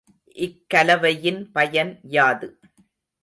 இக்கலவையின் பயன் யாது?